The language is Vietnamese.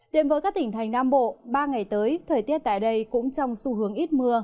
đến với các tỉnh thành nam bộ ba ngày tới thời tiết tại đây cũng trong xu hướng ít mưa